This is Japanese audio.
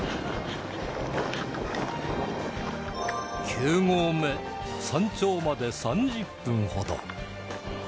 ９合目山頂まで３０分ほど